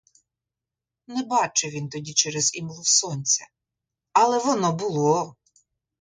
Не бачив він тоді через імлу сонця, але воно було!